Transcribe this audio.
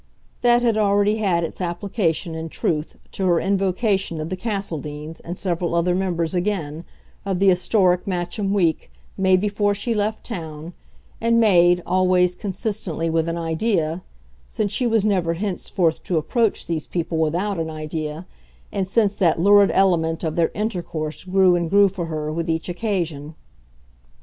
That had already had its application, in truth, to her invocation of the Castledeans and several other members, again, of the historic Matcham week, made before she left town, and made, always consistently, with an idea since she was never henceforth to approach these people without an idea, and since that lurid element of their intercourse grew and grew for her with each occasion.